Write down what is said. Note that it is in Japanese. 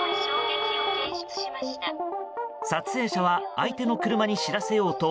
撮影者は相手の車に知らせようと